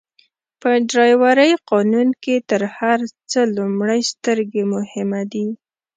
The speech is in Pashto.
په ډرایورۍ قانون کي تر هر څه لومړئ سترګي مهمه دي.